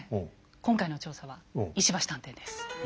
今回の調査は石橋探偵です。